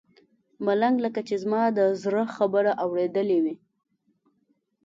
ملنګ لکه چې زما د زړه خبره اورېدلې وي.